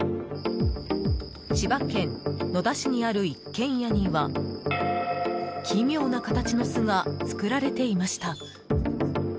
千葉県野田市にある一軒家には奇妙な形の巣が作られていました。